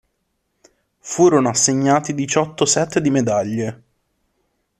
Furono assegnati diciotto set di medaglie.